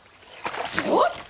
ちょっと！